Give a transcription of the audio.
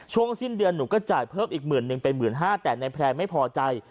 ช่วงสิ้นเดือนหนูก็จ่ายเพิ่มอีก๑๐๐๐เป็น๑๕๐๐๐แต่ในแพร่ไม่พอใจ